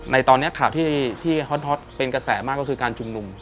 ในตอนนี้ข่าวที่ฮอตเป็นกระแสมากก็คือการชุมนุม